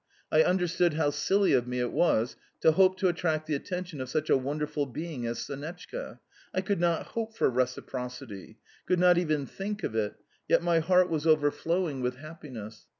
I understood how silly of me it was to hope to attract the attention of such a wonderful being as Sonetchka. I could not hope for reciprocity could not even think of it, yet my heart was overflowing with happiness.